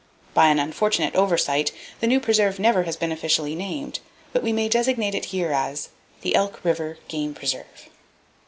By an unfortunate oversight, the new preserve never has been officially named, but we may designate it here as The Elk River Game Preserve.